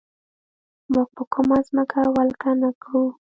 موږ به کومه ځمکه ولکه نه کړو.